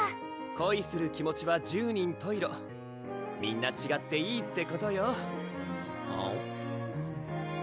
恋する気持ちは十人十色みんなちがっていいってことよ